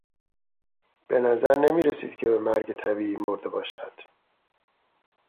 به نظر نمیرسید که به مرگ طبیعی مرده باشد.